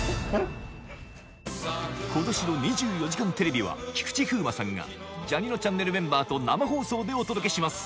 今年の『２４時間テレビ』は菊池風磨さんがジャにのちゃんねるメンバーと生放送でお届けします